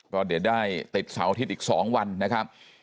ก็เดี๋ยวได้ติดเสาร์อาทิตย์อีก๒วันนะครับ